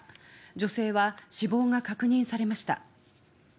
女性は死亡が確認されました。